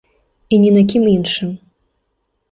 І ні на кім іншым.